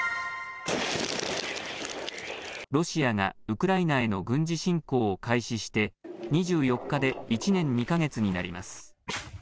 ロシアがウクライナへの軍事侵攻を開始して２４日で１年２か月になります。